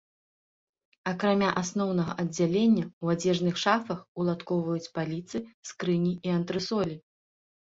Акрамя асноўнага аддзялення ў адзежных шафах уладкоўваюць паліцы, скрыні і антрэсолі.